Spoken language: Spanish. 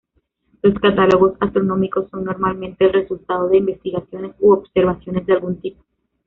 Los catálogos astronómicos son normalmente el resultado de investigaciones u observaciones de algún tipo.